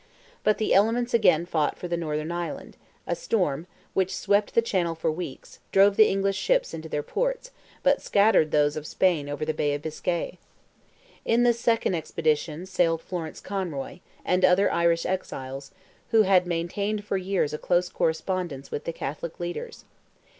But the elements again fought for the northern island; a storm, which swept the channel for weeks, drove the English ships into their ports, but scattered those of Spain over the Bay of Biscay. In this second expedition sailed Florence Conroy, and other Irish exiles, who had maintained for years a close correspondence with the Catholic leaders.